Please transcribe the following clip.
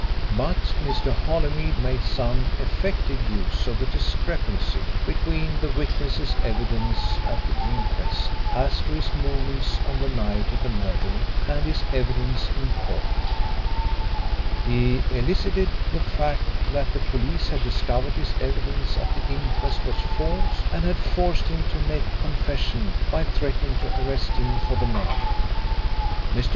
But Mr. Holymead made some effective use of the discrepancy between the witness's evidence at the inquest as to his movements on the night of the murder and his evidence in court. He elicited the fact that the police had discovered his evidence at the inquest was false and had forced him to make a confession by threatening to arrest him for the murder. Mr.